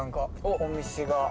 お店が。